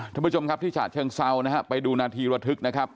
ท่านผู้ชมครับที่ฉะเชิงเซานะฮะไปดูนาทีระทึกนะครับ